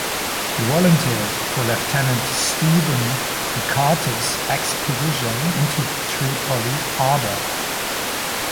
He volunteered for Lieutenant Stephen Decatur's expedition into Tripoli Harbor.